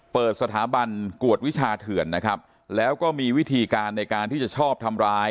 เปิดสถาบันกวดวิชาเถื่อนนะครับแล้วก็มีวิธีการในการที่จะชอบทำร้าย